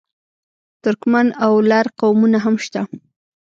ترکمن او لر قومونه هم شته.